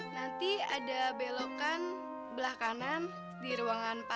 nanti ada belokan belah kanan di ruangan empat a